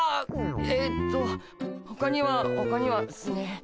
えっとほかにはほかにはっすね